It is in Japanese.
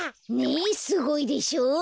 ねえすごいでしょ？